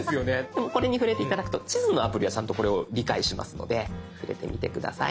でもこれに触れて頂くと地図のアプリはちゃんとこれを理解しますので触れてみて下さい。